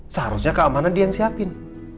seharusnya keamanan dia yang siapin